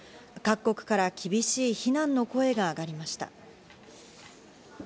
各国から厳しい非難の声が上がりました。